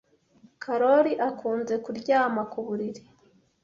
Karoli akunze kuryama ku buriri.